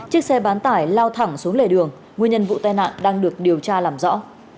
chiếc xe bán tải lao thẳng xuống lề đường nguyên nhân vụ tai nạn đang được điều tra làm rõ